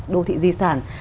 đô thị di sản